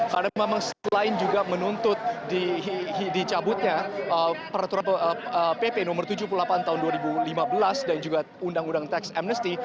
karena memang selain juga menuntut dicabutnya peraturan pp no tujuh puluh delapan tahun dua ribu lima belas dan juga undang undang teks amnesty